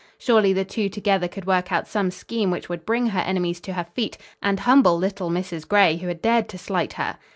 Surely the two together could work out some scheme which would bring her enemies to her feet and humble little Mrs. Gray, who had dared to slight her.